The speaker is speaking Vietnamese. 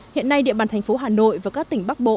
hiện nay địa bàn thành phố hà nội và các tỉnh bắc bộ